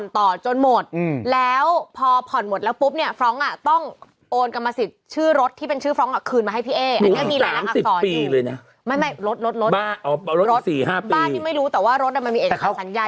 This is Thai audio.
แต่อันนี้ฉันเข้าใจคุณแอ่นะ